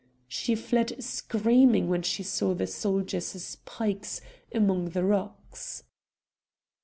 She fled screaming when she saw the soldiers' pikes among the rocks.